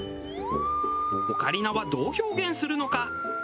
オカリナはどう表現するのか？